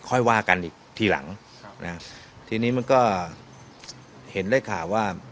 ค่อยว่ากันอีกทีหลังครับนะทีนี้มันก็เห็นได้ข่าวว่า